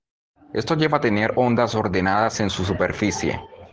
Esto lleva a tener ondas ordenadas en su superficie.